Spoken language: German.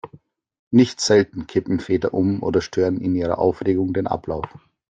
Nicht selten kippen Väter um oder stören in ihrer Aufregung den Ablauf.